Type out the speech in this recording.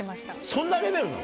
そんなレベルなの？